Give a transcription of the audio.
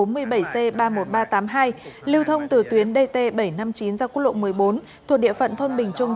lưu thông từ tuyến dt bảy trăm năm mươi chín ra quốc lộ một mươi bốn thuộc địa phận thôn bình trung